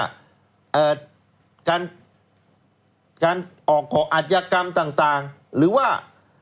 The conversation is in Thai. การอากอายกรรมต่างรู้ว่า